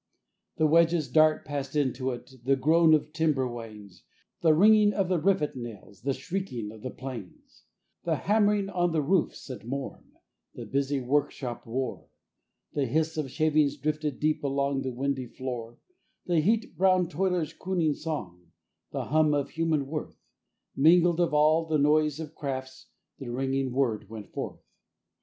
The wedge's dart passed into it, the groan of timberwains, The ringing of the rivet nails, the shrieking of the planes; The hammering on the roofs at morn, the busy workshop roar; The hiss of shavings drifted deep along the windy floor; The heat browned toiler's crooning song, the hum of human worth Mingled of all the noise of crafts, the ringing word went forth.